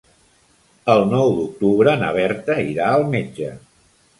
El nou d'octubre na Berta irà al metge.